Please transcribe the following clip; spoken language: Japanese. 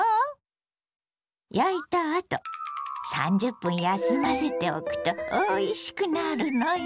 焼いたあと３０分休ませておくとおいしくなるのよ！